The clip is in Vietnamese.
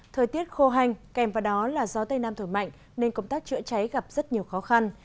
thời tiết khô hành kèm vào đó là gió tây nam thổi mạnh nên công tác chữa cháy gặp rất nhiều khó khăn